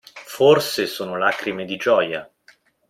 Forse sono lacrime di gioia.